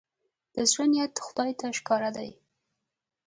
د زړه نيت خدای ته ښکاره دی.